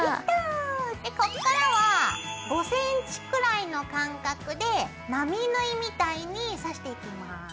でこっからは５ｃｍくらいの間隔で並縫いみたいに刺していきます。